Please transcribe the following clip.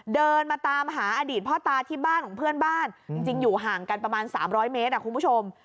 เดินมาตามหาอดีตพ่อตาที่บ้านของเพื่อนบ้านจริงอยู่ห่างกันประมาณ๓๐๐เมตรคุณผู้ชม